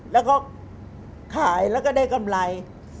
แล้วก็ขายแล้วก็ได้กำไร